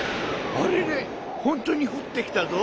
あれれほんとにふってきたぞ。